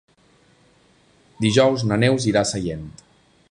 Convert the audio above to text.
Dijous na Neus irà a Sellent.